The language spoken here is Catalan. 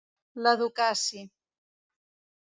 L'educaci